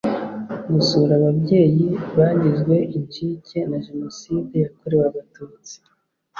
Gusura ababyeyi bagizwe incike na Jenoside yakorewe Abatutsi